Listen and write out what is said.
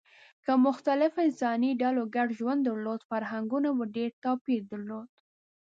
که مختلفو انساني ډلو ګډ ژوند درلود، فرهنګونو به ډېر توپیر درلود.